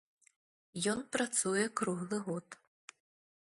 Ён працуе круглы год.